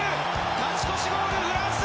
勝ち越しゴール、フランス。